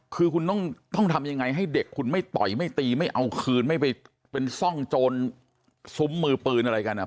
คือคุณต้องทำยังไงให้เด็กคุณไม่ต่อยไม่ตีไม่เอาคืนไม่ไปเป็นซ่องโจรซุ้มมือปืนอะไรกันอ่ะ